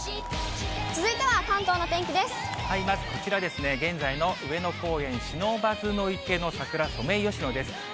まずこちらですね、現在の上野公園、不忍池の桜、ソメイヨシノです。